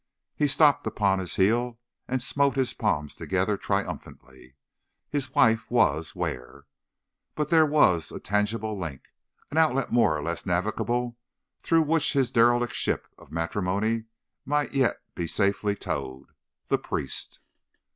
He stopped upon his heel, and smote his palms together triumphantly. His wife was—where? But there was a tangible link; an outlet more or less navigable, through which his derelict ship of matrimony might yet be safely towed—the priest!